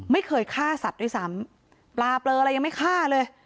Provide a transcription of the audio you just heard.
ไม่เคยฆ่าสัตว์ด้วยซ้ำปลาเปลืออะไรยังไม่ฆ่าเลย